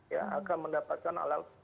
ya akan mendapatkan alam